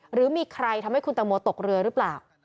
หรือมีใครทำให้คุณตังโมตกเรือหรือเปล่า